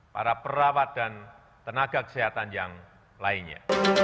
para perawat dan tenaga kesehatan yang lainnya